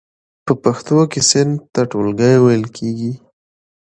په پښتو کې صنف ته ټولګی ویل کیږی.